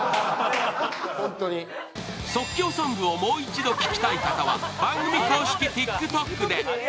即興ソングをもう一度聴きたい方は番組公式ＴｉｋＴｏｋで。